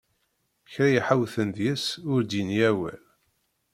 Kra i ḥawten deg-s ur d-yenni awal!